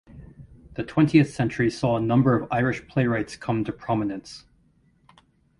The twentieth century saw a number of Irish playwrights come to prominence.